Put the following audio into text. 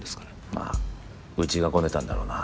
まあうちがごねたんだろうな。